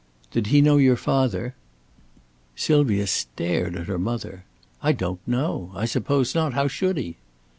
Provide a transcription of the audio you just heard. "Did he know your father?" Sylvia stared at her mother. "I don't know. I suppose not. How should he?"